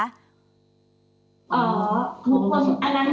อ๋ออันนั้นก็มาสอบปากคามค่ะตั้งแต่ชั้นแอร์การค่ะ